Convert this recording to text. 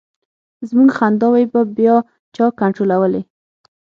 زمونږ خنداوې به بیا چا کنټرولولې.